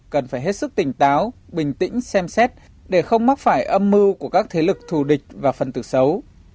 cần phải hết sức tỉnh táo bình tĩnh xem xét để không mắc phải âm mưu của các thế lực thù địch và phần từ xấu